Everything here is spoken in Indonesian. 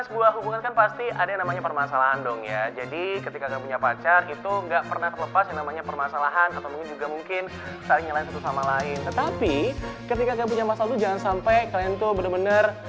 wrong one berapaan